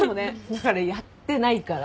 だからやってないから。